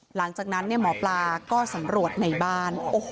หลังจากนั้นหมอปลาก็สำรวจในบ้าน